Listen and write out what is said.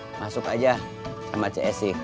masuk aja sama csi